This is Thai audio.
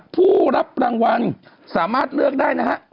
ผู้รับรางวัลสามารถเลือกได้นะฮะ